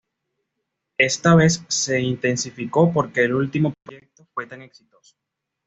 Esta vez se intensificó porque el último proyecto fue tan exitoso".